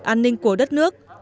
an ninh của đất nước